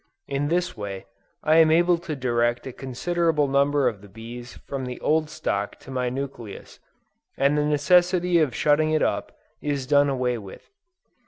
In this way, I am able to direct a considerable number of the bees from the old stock to my nucleus, and the necessity of shutting it up, is done away with.